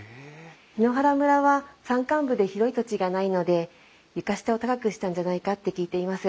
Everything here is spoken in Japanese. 檜原村は山間部で広い土地がないので床下を高くしたんじゃないかって聞いています。